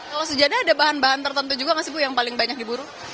kalau sejadah ada bahan bahan tertentu juga nggak sih bu yang paling banyak diburu